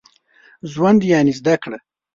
ژوند يعني زده کړه.